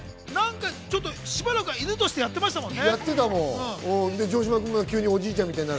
しばらく犬としてやってましたもんね。